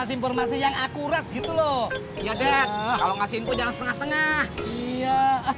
sampai jumpa di video selanjutnya